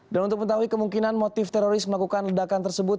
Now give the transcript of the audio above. dan untuk mengetahui kemungkinan motif teroris melakukan ledakan tersebut